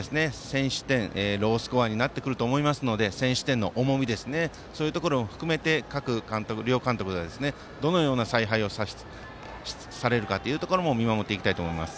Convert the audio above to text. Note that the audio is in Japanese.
先取点、ロースコアになってくると思いますので先取点の重みも含めて両監督がどのような采配をされるかというところも見守っていきたいと思います。